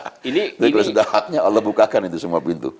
tapi kalau sudah haknya allah bukakan itu semua pintu